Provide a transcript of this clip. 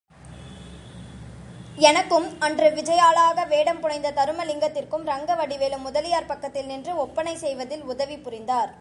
எனக்கும், அன்று விஜயாளாக வேடம் புனைந்த தருமலிங்கத்திற்கும் ரங்கவடிவேலு முதலியார் பக்கத்தில் நின்று ஒப்பனை செய்வதில் உதவி புரிந்தார்.